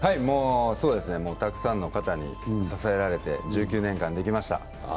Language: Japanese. そうですね、もうたくさんの方に支えられて１９年間できました。